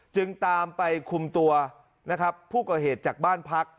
จึงตามไปคุมตัวนะครับผู้ก่อเหตุจากบ้านพัก